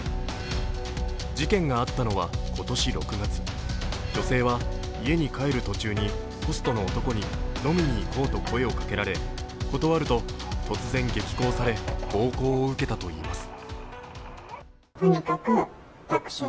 事件があったのは今年６月女性は、家に帰る途中にホストの男に飲みに行こうと声をかけられ断ると突然激高され暴行を受けたといいます。